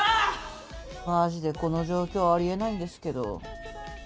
マジでこの状況ありえないんですけど。